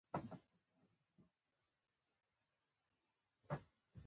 د تفریح ځایونه باید پاک او منظم وي.